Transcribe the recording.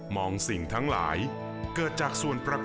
มองสิ่งทั้งหลายเกิดจากส่วนประกอบตังค์